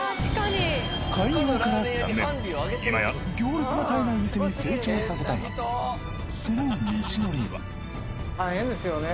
開業から３年今や行列が絶えない店に成長させたが大変ですよね